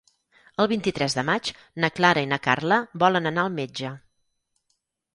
El vint-i-tres de maig na Clara i na Carla volen anar al metge.